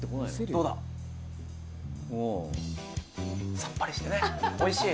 どうだ？さっぱりしてね、おいしい。